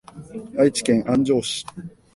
愛知県安城市